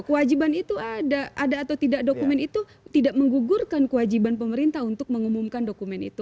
kewajiban itu ada atau tidak dokumen itu tidak menggugurkan kewajiban pemerintah untuk mengumumkan dokumen itu